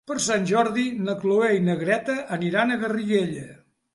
Per Sant Jordi na Cloè i na Greta aniran a Garriguella.